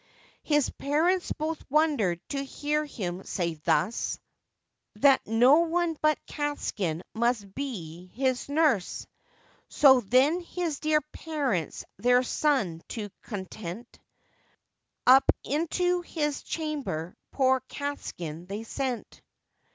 His parents both wondered to hear him say thus, That no one but Catskin must be his nurse; So then his dear parents their son to content, Up into his chamber poor Catskin they sent.